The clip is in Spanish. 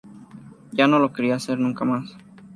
Ya no lo quería hacer nunca más.